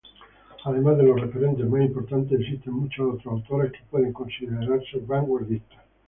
Además de los referentes más importantes, existen muchos otros autores que pueden considerarse vanguardistas.